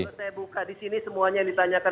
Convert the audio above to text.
kalau saya buka disini semuanya yang ditanyakan